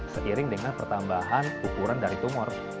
seiring dengan pertambahan ukuran dari tumor